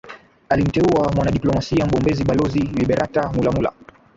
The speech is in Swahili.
Alimteua mwanadiplomasia mbobezi balozi Liberata Mulamula